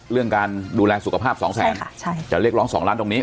เรื่องการดูแลสุขภาพสองแทนใช่ค่ะใช่จะเรียกร้องสองล้านตรงนี้